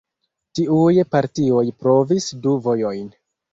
Tiuj partioj provis du vojojn.